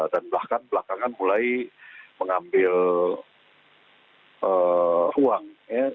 dan belakangan mulai mengambil uang